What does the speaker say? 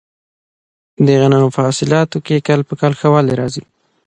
د غنمو په حاصلاتو کې کال په کال ښه والی راځي.